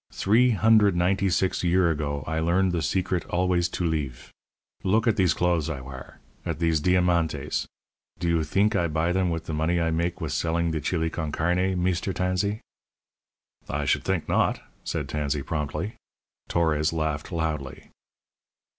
Three hundred ninety six year ago I learn the secret always to leeve. Look at these clothes I war at these diamantes. Do you theenk I buy them with the money I make with selling the chili con carne, Meester Tansee?" "I should think not," said Tansey, promptly. Torres laughed loudly.